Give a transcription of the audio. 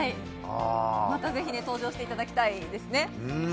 またぜひ登場していただきたいですね。